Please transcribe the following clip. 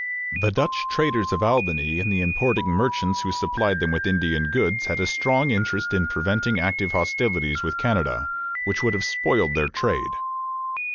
The Dutch traders of Albany and the importing merchants who supplied them with Indian goods had a strong interest in preventing active hostilities with Canada, which would have spoiled their trade.